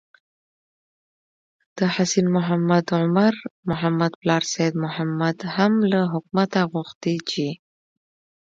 د حسين محمد او عمر محمد پلار سيد محمد هم له حکومته غوښتي چې: